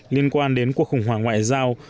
liên quan đến cuộc khủng hoảng ngoại giao